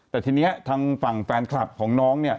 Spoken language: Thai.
แต่ทีนี้ทางฝั่งแฟนคลับของน้องเนี่ย